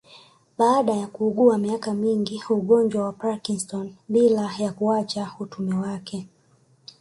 Baada ya kuugua miaka mingi Ugonjwa wa Parknson bila ya kuacha utume wake